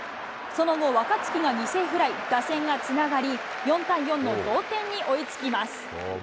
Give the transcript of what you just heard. その後、若月が犠牲フライ、打線がつながり、４対４の同点に追いつきます。